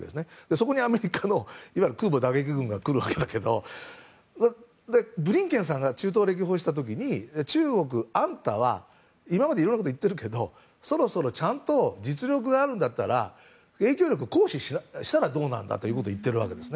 そこにアメリカの空母打撃群が来るわけだけどブリンケンさんが中東を歴訪した時に中国、あんたは今までいろんなこと言ってるけどそろそろちゃんと実力があるんだったら影響力を行使したらどうなんだと言っているわけです。